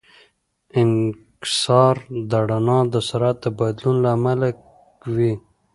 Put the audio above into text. انکسار د رڼا د سرعت د بدلون له امله وي.